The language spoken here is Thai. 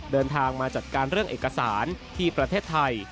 เดินทางมาจัดการเรื่องเอกสารที่ประเทศไทย